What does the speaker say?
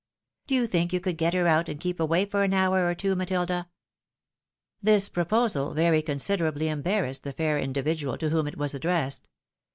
Do you think you could get her out, and keep away for an hour or two, MatOda ?" This proposal very considerably embarrassed the fair indi vidual to whom it was addressed.